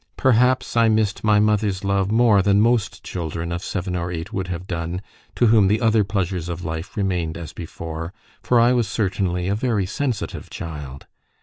Perhaps I missed my mother's love more than most children of seven or eight would have done, to whom the other pleasures of life remained as before; for I was certainly a very sensitive child.